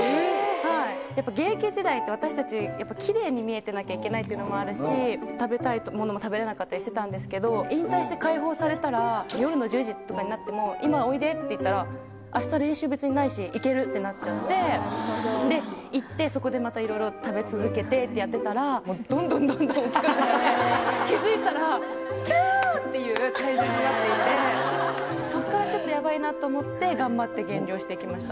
やっぱり現役時代って、私たち、やっぱりきれいに見えてなきゃいけないというのもあるし、食べたいと思うものを食べれなかったりしてたんですけど、引退して解放されたら、夜の１０時とかになっても、今、おいでっていったら、あした練習、別にないし、行けるってなっちゃって、で、行って、そこでまたいろいろ食べ続けてってやってたら、どんどんどんどん大きくなって、気付いたら、きゃーっていう体重になっていて、そこからちょっとやばいなと思って頑張って減量していきました。